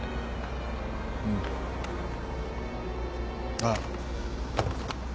ああ。